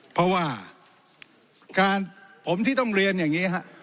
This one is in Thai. เพราะว่าผมที่ต้องเรียนอย่างนี้